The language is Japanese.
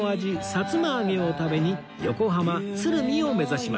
さつま揚げを食べに横浜鶴見を目指します